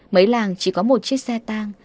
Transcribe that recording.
mấy làng chỉ có một chiếc xe tàng